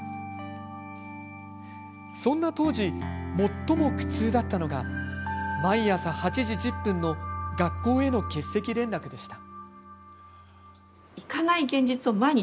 そんな当時、最も苦痛だったのが毎朝８時１０分の学校への欠席連絡でした。